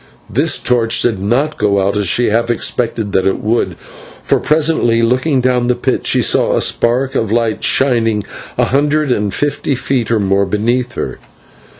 This torch did not go out, as she half expected that it would, for presently, looking down the pit, she saw a spark of light shining a hundred and fifty feet or more beneath her.